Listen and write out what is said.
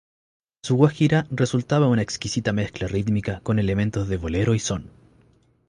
Su guajira resultaba una exquisita mezcla rítmica con elementos de bolero y son.